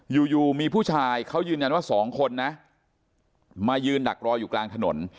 อยู่อยู่มีผู้ชายเขายืนยันว่าสองคนนะมายืนดักรออยู่กลางถนน